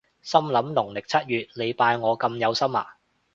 心諗農曆七月你拜我咁有心呀？